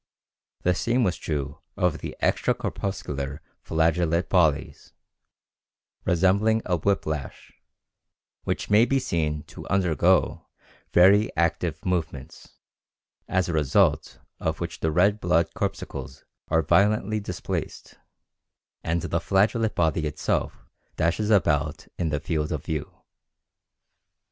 The same was true of the extra corpuscular flagellate bodies [resembling a whip lash], which may be seen to undergo very active movements, as a result of which the red blood corpuscles are violently displaced and the flagellate body itself dashes about in the field of view.